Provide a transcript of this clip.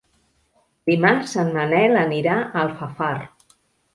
Dimarts en Manel anirà a Alfafar.